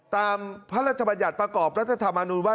พระราชบัญญัติประกอบรัฐธรรมนุนว่า